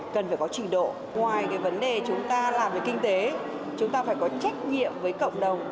cần phải có trình độ ngoài vấn đề chúng ta làm về kinh tế chúng ta phải có trách nhiệm với cộng đồng